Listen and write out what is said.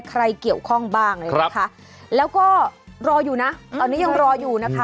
ใครเกี่ยวข้องบ้างเลยนะคะแล้วก็รออยู่นะตอนนี้ยังรออยู่นะคะ